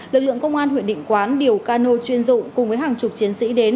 lực lượng công an huyện định quán điều cano chuyên dụng cùng với hàng chục chiến sĩ đến